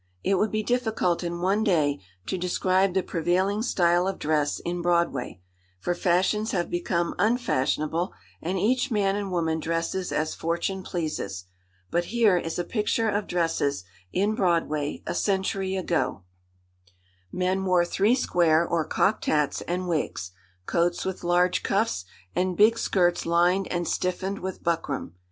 It would be difficult in one day to describe the prevailing style of dress in Broadway, for fashions have become unfashionable, and each man and woman dresses as Fortune pleases. But here is a picture of dresses in Broadway a century ago:— "Men wore three square, or cocked hats, and wigs; coats with large cuffs, and big skirts lined and stiffened with buckram.